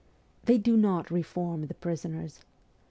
They do not ' reform ' the prisoners.